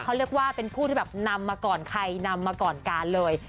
เขาเรียกว่าเป็นผู้ที่แบบนำมาก่อนใครนำมาก่อนการเลย